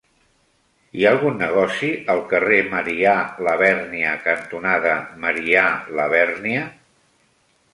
Hi ha algun negoci al carrer Marià Labèrnia cantonada Marià Labèrnia?